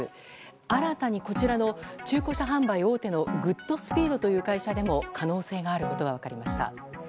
新たにこちらの中古車販売大手のグッドスピードという会社でも可能性があることが分かりました。